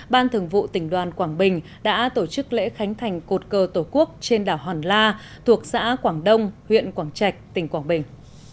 ban thường vụ tỉnh đoàn quảng bình đã tổ chức lễ khánh thành cột cờ tổ quốc trên đảo hòn la thuộc xã quảng đông huyện quảng trạch tỉnh quảng bình